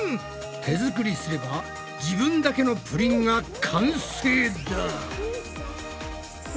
手作りすれば自分だけのプリンが完成だ！